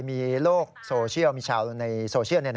มีโลกโซเชียลมีชาวในโซเชียล